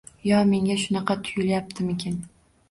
Yo menga shunaqa tuyulyaptimikan